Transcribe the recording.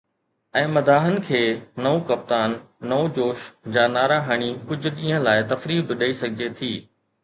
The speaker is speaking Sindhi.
۽ مداحن کي ”نئون ڪپتان، نئون جوش“ جا نعرا هڻي ڪجهه ڏينهن لاءِ تفريح به ڏئي سگهجي ٿي.